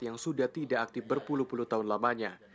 yang sudah tidak aktif berpuluh puluh tahun lamanya